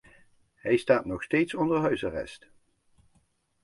Hij staat nog steeds onder huisarrest.